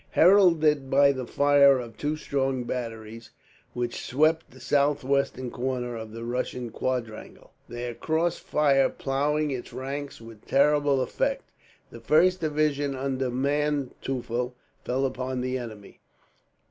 Heralded by the fire of two strong batteries which swept the southwestern corner of the Russian quadrilateral, their crossfire ploughing its ranks with terrible effect the first division, under Manteufel, fell upon the enemy.